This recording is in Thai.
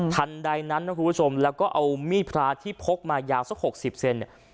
ทันใดนั้นนะคุณผู้ชมแล้วก็เอามีดพระที่พกมายาวสักหกสิบเซนเนี่ย